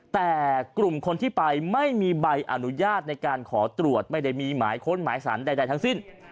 แต่กลุ่มคนที่ไปไม่มีใบอนุญาตในการขอตรวจไม่ได้มีหมายค้นหมายสารใดทั้งสิ้น